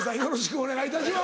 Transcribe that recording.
お願いします！